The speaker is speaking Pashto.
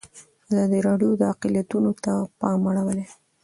ازادي راډیو د اقلیتونه ته پام اړولی.